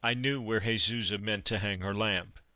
knew where Jesusa meant to hang her lamp.